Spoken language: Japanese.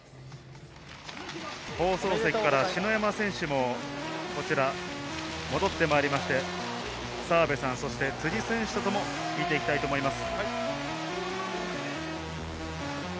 放送席から篠山選手も戻って参りまして、澤部さん、辻選手とともに見ていきたいと思います。